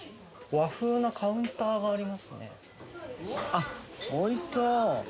あっおいしそう！